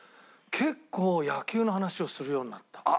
結構野球の話をするようになった。